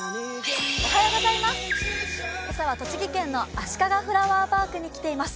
今朝は栃木県のあしかがフラワーパークに来ています。